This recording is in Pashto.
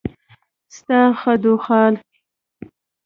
ستا خدوخال